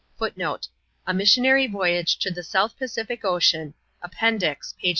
A Missionary Voyage to the South Pacific Ocean, Appendix, pp. 336.